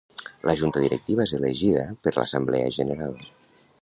La Junta Directiva és elegida per l'Assemblea General.